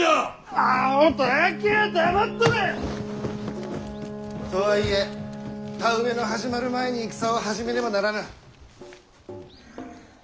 あほたわけは黙っとれ！とはいえ田植えの始まる前に戦を始めねばならぬ。